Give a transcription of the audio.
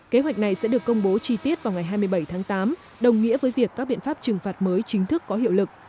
kế hoạch này sẽ được công bố chi tiết vào ngày hai mươi bảy tháng tám đồng nghĩa với việc các biện pháp trừng phạt mới chính thức có hiệu lực